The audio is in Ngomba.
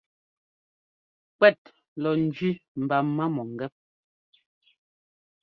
Kuɛt lɔ njẅi mba má mɔ̂ngɛ́p.